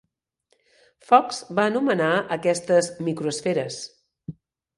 Fox va anomenar aquestes "micro-esferes".